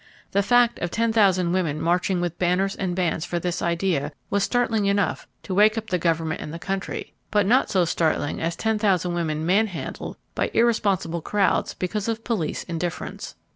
The fact of ten thousand women marching with banners and bands for this idea was startling enough to wake up the government and the country, but not so startling as ten thousand women man handled by irresponsible crowds because of police indifference.